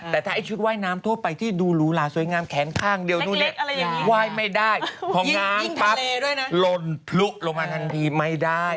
แต่ถ้าไอ้ชุดว่ายน้ำทั่วไปที่ดูรูหราสวยงามแค้นข้างเดียวแมกเล็กไม่ได้ของน้ำปั๊บลนพรุลงมาทันทีไม่ได้